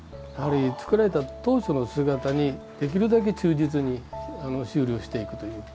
作られた当初の姿にできるだけ忠実に修理をしていくという。